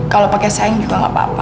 kalau pakai sayang juga gak apa apa